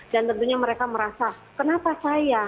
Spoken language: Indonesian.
dan tentunya mereka merasa kenapa saya